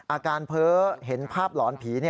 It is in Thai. อาการเพ้อเห็นภาพหลอนผี